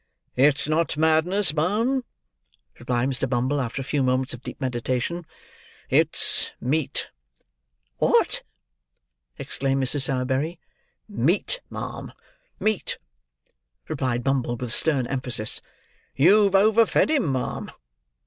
"It's not Madness, ma'am," replied Mr. Bumble, after a few moments of deep meditation. "It's Meat." "What?" exclaimed Mrs. Sowerberry. "Meat, ma'am, meat," replied Bumble, with stern emphasis. "You've over fed him, ma'am.